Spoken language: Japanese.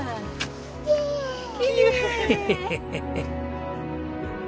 ヘヘヘヘヘヘッ。